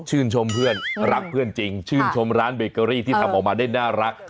ชมเพื่อนรักเพื่อนจริงชื่นชมร้านเบเกอรี่ที่ทำออกมาได้น่ารัก